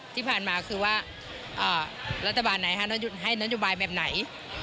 ที่ผ่านมาคือว่ารัฐบาลไหนให้นโยบายแบบไหน